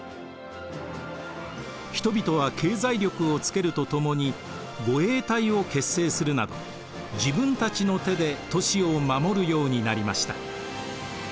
人々は経済力をつけるとともに護衛隊を結成するなど自分たちの手で都市を守るようになりました。